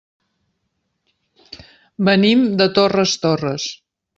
Venim de Torres Torres.